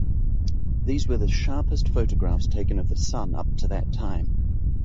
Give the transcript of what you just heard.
These were the sharpest photographs taken of the Sun up to that time.